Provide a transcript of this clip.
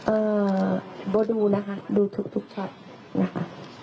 เอ่อโบดูนะค่ะดูทุกช็อตนะค่ะ